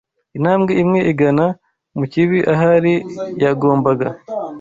Intambwe imwe igana mu kibi ahari yagombaga